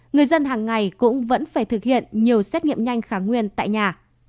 người dân hàng ngày cũng vẫn phải thực hiện nhiều xét nghiệm nhanh kháng nguyên tại nhà